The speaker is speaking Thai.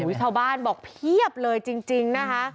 ชาวบ้านบอกเพียบเลยจริงนะคะ